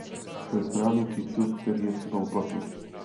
To je správný přístup, který je třeba uplatnit.